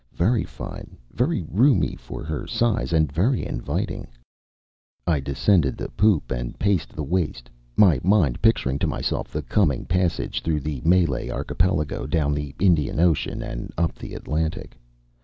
Very fine, very roomy for her size, and very inviting. I descended the poop and paced the waist, my mind picturing to myself the coming passage through the Malay Archipelago, down the Indian Ocean, and up the Atlantic.